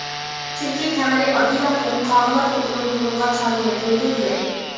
چۈنكى تەڭرى ئاددىيلا قىلىپ: «قاغىلار توپىنىڭ بۇنىڭغا چامى يەتمەيدۇ» دېگەن.